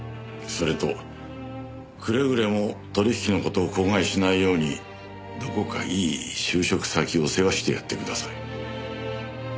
それとくれぐれも取引の事を口外しないようにどこかいい就職先を世話してやってください。